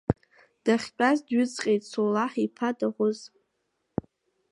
Дахьтәаз дҩыҵҟьеит Соулаҳ-иԥа даӷәыз.